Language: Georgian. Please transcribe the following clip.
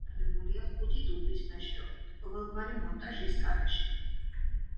ვიდეო გადაღებულია ხუთი დუბლის მეშვეობით, ყოველგვარი მონტაჟის გარეშე.